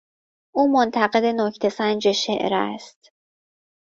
او منتقد نکته سنج شعر است.